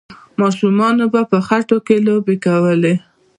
ماشومانو به په خټو کې لوبې کولې.